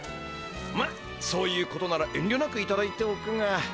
まっそういうことならえんりょなくいただいておくが。